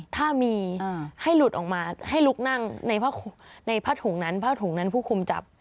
ถ้ามีให้หลุดออกมาให้ลุกนั่งในผ้าถุงนั้นผ้าถุงนั้นผู้คุมจับ